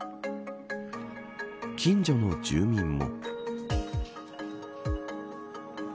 近所の住民も。